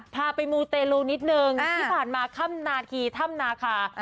พาไปมุเตลูนิดนึงที่ผ่านมาค่ำหนาดขี่ธรรมนาคา